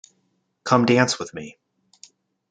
Come Dance with Me!